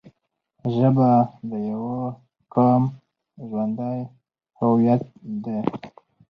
ژبه د یوه قوم ژوندی هویت دی